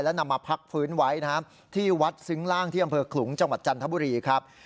นำมาพักฟื้นไว้นะครับที่วัดซึ้งล่างที่อำเภอขลุงจังหวัดจันทบุรีครับ